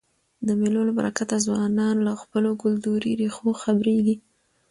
د مېلو له برکته ځوانان له خپلو کلتوري ریښو خبريږي.